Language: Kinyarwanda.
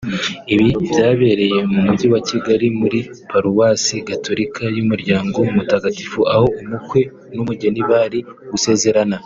Ibi byabereye mu Mujyi wa Kigali muri Paruwasi Gatolika y’Umuryango Mutagatifu aho umukwe n’umugeni bari gusezerana